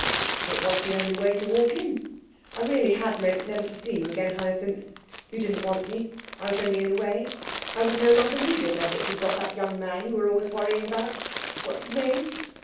'It was the only way to walk in. I really had meant never to see you again, Hyacinth. You didn't want me. I was only in the way. I was no longer needed, now you've got that young man you were always worrying about. What's his name?